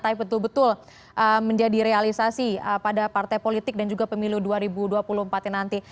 tapi betul betul menjadi realisasi pada partai politik dan juga pemilu dua ribu dua puluh empat nanti